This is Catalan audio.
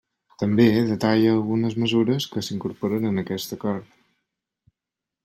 També detalla algunes mesures que s'incorporen en aquest Acord.